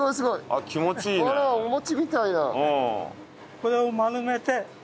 これを丸めて。